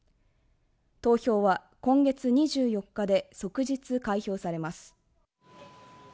投票は今月２４日で即日開票されます。